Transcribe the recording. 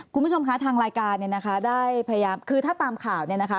คุณผู้ชมคะทางรายการเนี่ยนะคะได้พยายามคือถ้าตามข่าวเนี่ยนะคะ